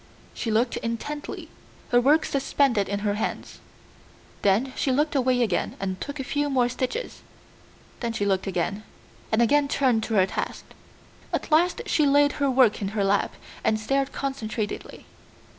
She looked intently, her work suspended in her hands. Then she looked away again and took a few more stitches, then she looked again, and again turned to her task. At last she laid her work in her lap and stared concentratedly.